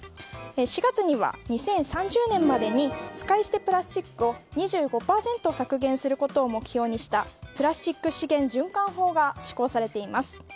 ４月には２０３０年までに使い捨てプラスチックを２５％削減することを目標にしたプラスチック資源循環法が施行されています。